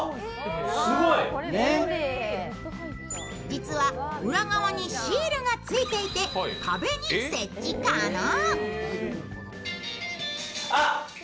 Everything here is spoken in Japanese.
実は裏側にシールがついていて壁に設置可能。